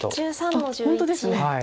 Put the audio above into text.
あっ本当ですね。